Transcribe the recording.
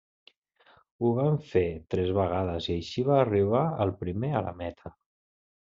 Ho va fer tres vegades, i així va arribar el primer a la meta.